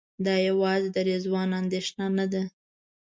دا یوازې د رضوان اندېښنه نه ده.